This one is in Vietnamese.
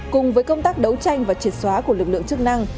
cùng với công tác đấu tranh và triệt xóa của lực lượng chức năng